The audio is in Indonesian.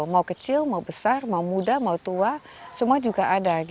mau kecil mau besar mau muda mau tua semua juga ada